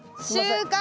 収穫！